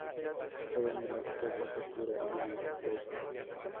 Fueron el acto de apertura en el tour.